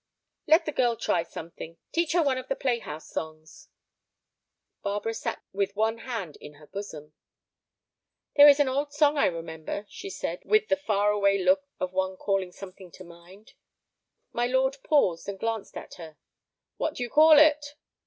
"Let the girl try something. Teach her one of the playhouse songs." Barbara sat with one hand in her bosom. "There is an old song I remember," she said, with the far away look of one calling something to mind. My lord paused and glanced at her. "What do you call it?"